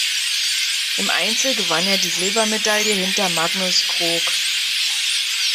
Im Einzel gewann er die Silbermedaille hinter Magnus Krog.